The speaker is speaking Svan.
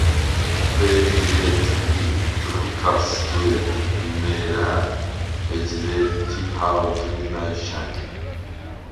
ყვე̄დი ლე̄თ ი ჩუხიქა სგელდ ლიმე̄რა̄̈ლ ეჯ ლე̄თი ჰა̄ვდრი ლა̈ნშა̈ნ ლი.